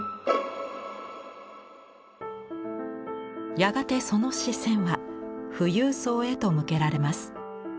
やがてその視線は富裕層へと向けられます。